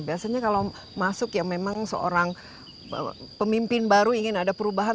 biasanya kalau masuk ya memang seorang pemimpin baru ingin ada perubahan